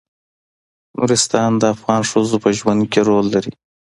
نورستان د افغان ښځو په ژوند کې رول لري.